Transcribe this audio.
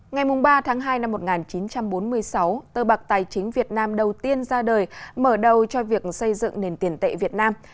ngày ba tháng hai năm một nghìn chín trăm bốn mươi sáu tờ bạc tài chính việt nam đầu tiên ra đời mở đầu cho việc xây dựng nền tiền tệ việt nam